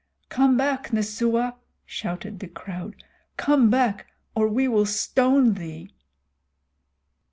"Come back, Messua!" shouted the crowd. "Come back, or we will stone thee."